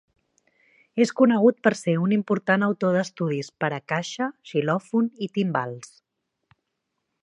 És conegut per ser un important autor d'estudis per a caixa, xilòfon i timbals.